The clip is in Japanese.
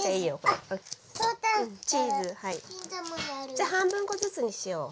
じゃあ半分こずつにしよう。